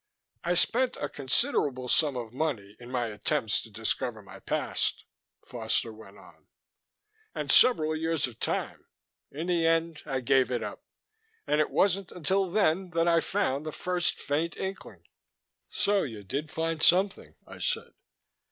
"I spent a considerable sum of money in my attempts to discover my past," Foster went on. "And several years of time. In the end I gave it up. And it wasn't until then that I found the first faint inkling." "So you did find something," I said.